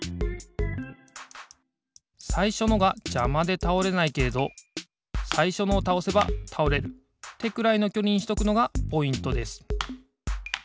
さいしょのがじゃまでたおれないけれどさいしょのをたおせばたおれるってくらいのきょりにしとくのがポイントです。